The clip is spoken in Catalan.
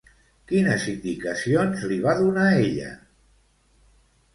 Quines indicacions li va donar ella?